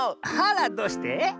あらどうして？